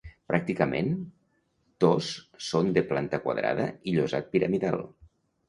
Pràcticament tos són de planta quadrada i llosat piramidal.